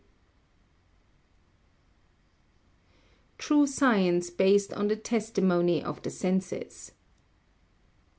[Sidenote: True Science based on the Testimony of the Senses] 9.